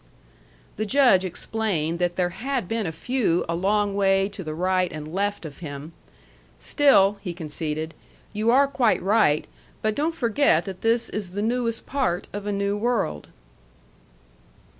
The Judge explained that there had been a few a long way to the right and left of him. "Still," he conceded, "you are quite right. But don't forget that this is the newest part of a new world."